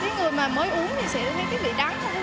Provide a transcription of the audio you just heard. người mới uống sẽ thấy vị đắng